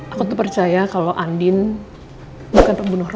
aku tuh percaya kalau andin bukan pembunuh